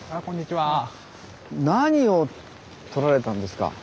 何を取られたんですか？